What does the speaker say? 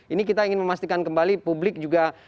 ini kita ingin memastikan kembali publik juga